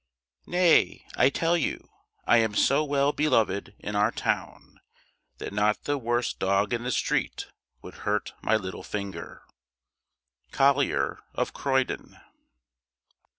Nay, I tell you, I am so well beloved in our town, that not the worst dog in the street would hurt my little finger. COLLIER OF CROYDON.